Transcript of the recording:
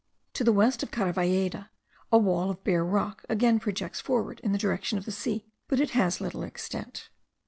To the west of Caravalleda, a wall of bare rock again projects forward in the direction of the sea, but it has little extent.